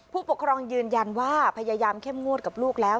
ผู้ปกครองยืนยันว่าพยายามเข้มงวดกับลูกแล้ว